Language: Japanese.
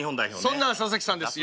そんな佐々木さんです。